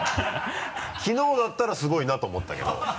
きのうだったらすごいなと思ったけど。